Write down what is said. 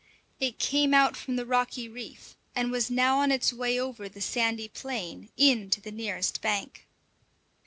It came out from the rocky reef, and was now on its way over the sandy plain in to the nearest bank.